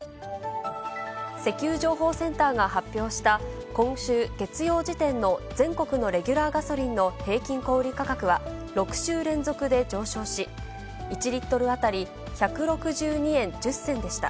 石油情報センターが発表した、今週月曜時点の全国のレギュラーガソリンの平均小売り価格は、６週連続で上昇し、１リットル当たり１６２円１０銭でした。